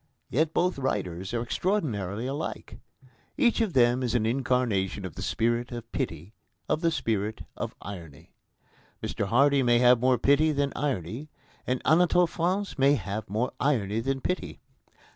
Yet both writers are extraordinarily alike. Each of them is an incarnation of the spirit of pity, of the spirit of irony. Mr Hardy may have more pity than irony and Anatole France may have more irony than pity.